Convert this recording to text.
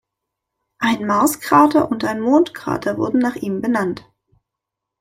Ein Marskrater und ein Mondkrater wurden nach ihm benannt.